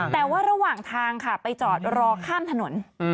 แต่ว่าระหว่างทางค่ะไปจอดรอข้ามถนน